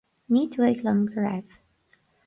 Ní dóigh liom go raibh